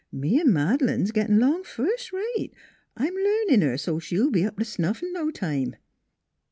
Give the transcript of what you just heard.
Me an' Mad'lane's gittin' long first rate. I'm learnin' her, so 't she'll be up t' snuff in no time."